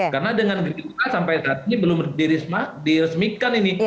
karena dengan gerindra sampai saat ini belum dirismak diresmikan ini